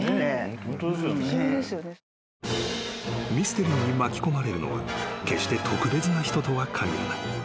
［ミステリーに巻き込まれるのは決して特別な人とは限らない］